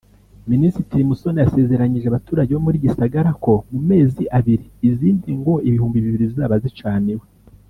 Minisitiri Musoni yasezeranyije abaturage bo muri Gisagara ko mu mezi abiri izindi ngo ibihumbi zizaba zicaniwe